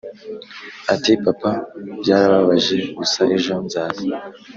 ati papa byarababaje gusa ejo nzaza